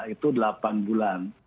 itu delapan bulan